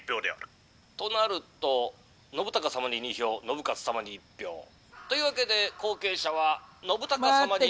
「となると信孝様に２票信雄様に１票。というわけで後継者は信孝様に」。